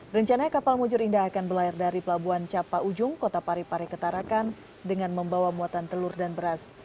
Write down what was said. rencana kapal mujur indah akan berlayar dari pelabuhan capa ujung kota parepare ketarakan dengan membawa muatan telur dan beras